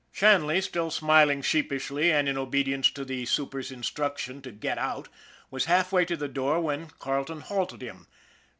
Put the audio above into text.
Shanley, still smiling sheepishly and in obedience to the super's instruction to " get out," was halfway to the door when Carleton halted him.